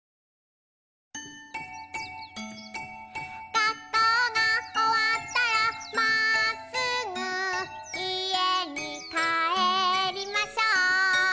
「学校がおわったらまっすぐ家に帰りましょう」